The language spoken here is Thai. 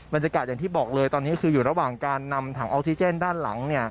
บรรยากาศอย่างที่บอกเลยตอนนี้คืออยู่ระหว่างการนำถังออกซิเจนด้านหลัง